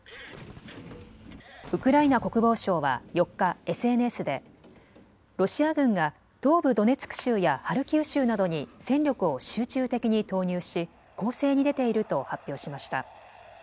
ウクライナ国防省は４日、ＳＮＳでロシア軍が東部ドネツク州やハルキウ州などに戦力を集中的に投入し攻勢に出ていると発表しました。